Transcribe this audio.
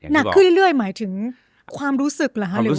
หนักขึ้นเรื่อยหมายถึงความรู้สึกเหรอคะ